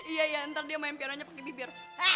iya iya ntar dia main pianonya pake bibir